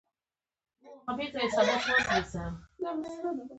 ستا دا کوچنۍ کونه ګوره دا دروند کار وګوره.